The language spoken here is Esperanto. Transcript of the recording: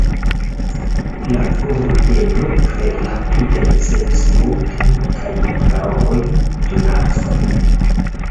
La ordeno tre rapide ricevis multajn kaj valorajn donacojn.